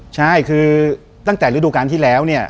ใช่คือตั้งแต่ฤดูการที่แล้วเนี่ย